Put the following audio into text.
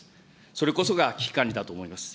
それこそが危機管理だと思います。